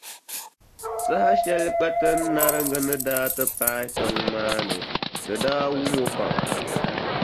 Saha shɛli Kpatinariŋga ni daa ti paai tiŋa maa ni, di daa wum o pam.